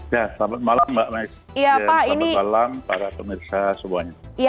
ya selamat malam mbak mai selamat malam para pemirsa semuanya